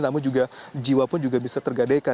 namun juga jiwa pun juga bisa tergadaikan